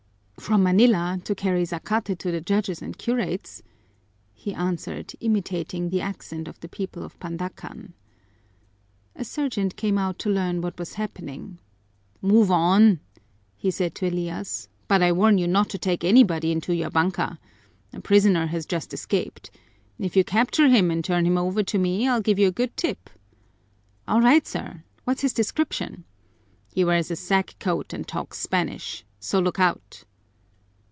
"From Manila, to carry zacate to the judges and curates," he answered, imitating the accent of the people of Pandakan. A sergeant came out to learn what was happening. "Move on!" he said to Elias. "But I warn you not to take anybody into your banka. A prisoner has just escaped. If you capture him and turn him over to me I'll give you a good tip." "All right, sir. What's his description?" "He wears a sack coat and talks Spanish. So look out!"